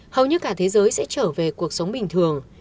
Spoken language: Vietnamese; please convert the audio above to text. hầu như cả thế giới sẽ trở về cuộc sống bình thường